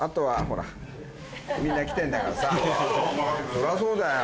そりゃそうだよ